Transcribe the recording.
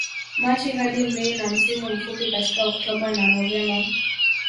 Machi hadi Mei na msimu mfupi katika Oktoba na Novemba